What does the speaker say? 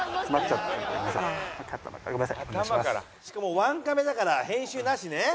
しかもワンカメだから編集なしね。